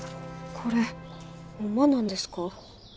これホンマなんですか？